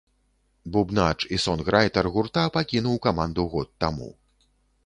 Бубнач і сонграйтар гурта пакінуў каманду год таму.